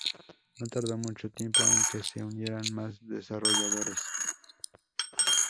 No tardó mucho tiempo en que se unieran más desarrolladores.